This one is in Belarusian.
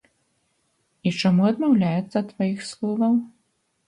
І чаму адмаўляецца ад сваіх словаў?